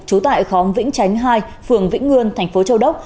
chú tại khóm vĩnh chánh hai phường vĩnh ngươn tp châu đốc